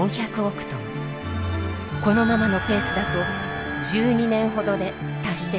このままのペースだと１２年ほどで達してしまうのです。